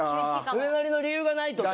それなりの理由がないと。